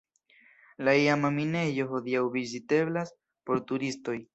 La iama minejo hodiaŭ viziteblas por turistoj.